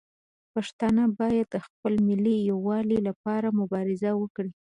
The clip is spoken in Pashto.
پښتانه باید د خپل ملي یووالي لپاره مبارزه وکړي.